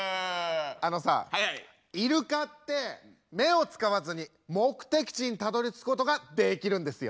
あのさイルカって目を使わずに目的地にたどり着くことができるんですよ。